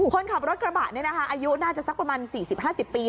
คนขับรถกระบะนี่นะคะอายุน่าจะสักประมาณ๔๐๕๐ปี